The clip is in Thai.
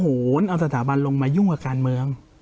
โหนเอาสถาบันลงมายุ่งกับการเมือง